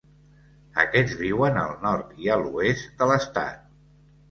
Aquests viuen al nord i a l'oest de l'estat.